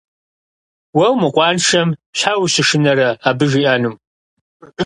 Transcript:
Уэ умыкъуаншэм щхьэ ущышынэрэ абы жиӀэнум?